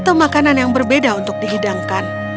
atau makanan yang berbeda untuk dihidangkan